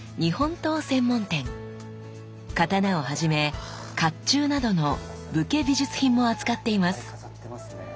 刀をはじめ甲冑などの武家美術品も扱っています。